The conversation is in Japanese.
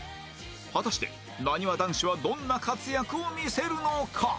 果たしてなにわ男子はどんな活躍を見せるのか？